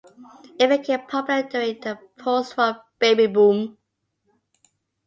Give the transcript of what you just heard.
It became popular during the post-war baby boom.